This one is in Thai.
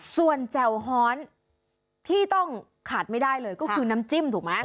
ส่วนแจ่วฮอนที่ต้องขาดไม่ได้เลยก็คือน้ำจิ้มถูกไหม